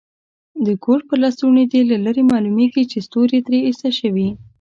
د کوټ پر لستوڼي دي له لرې معلومیږي چي ستوري ترې ایسته شوي.